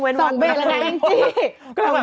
๒เวคแล้วไง